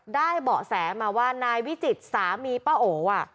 เบาะแสมาว่านายวิจิตรสามีป้าโอ